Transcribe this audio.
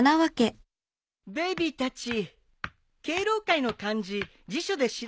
ベイビーたち敬老会の漢字辞書で調べておいたよ。